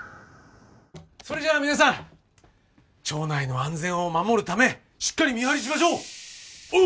それじゃあ皆さん町内の安全を守るためしっかり見張りしましょう！